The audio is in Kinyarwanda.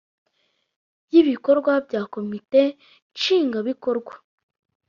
Y ibikorwa bya komite nshingwabikorwa